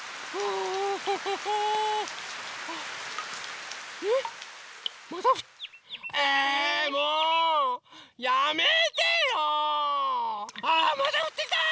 あらまたふってきた！